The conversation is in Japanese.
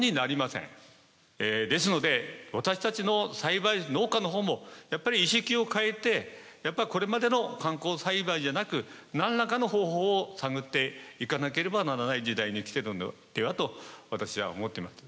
ですので私たちの栽培農家の方もやっぱり意識を変えてやっぱりこれまでの慣行栽培じゃなく何らかの方法を探っていかなければならない時代に来てるのではと私は思っています。